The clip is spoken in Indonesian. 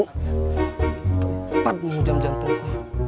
tempatmu jam jam tunggu